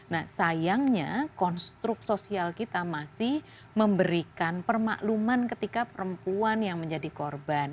nah sayangnya konstruk sosial kita masih memberikan permakluman ketika perempuan yang menjadi korban